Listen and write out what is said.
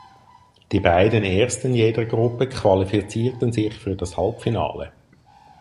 Die beiden Ersten jeder Gruppe qualifizierten sich für das Halbfinale.